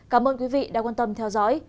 cảm ơn quý vị đã quan tâm theo dõi